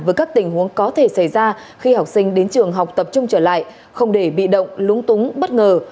với các tình huống có thể xảy ra khi học sinh đến trường học tập trung trở lại không để bị động lúng túng bất ngờ